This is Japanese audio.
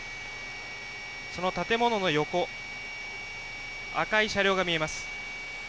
その建物の横、赤い車両が見えます。